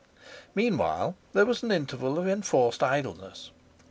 Meanwhile there was an interval of enforced idleness.